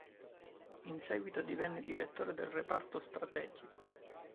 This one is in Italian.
In seguito divenne direttore del reparto strategico.